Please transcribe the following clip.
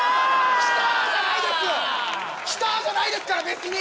「きた！」じゃないですから別に。